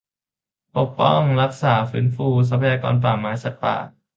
ปกป้อง รักษา ฟื้นฟูทรัพยากรป่าไม้ สัตว์ป่า